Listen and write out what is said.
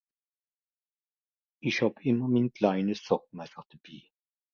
ich hàb immer min kleine Sàckmasser debi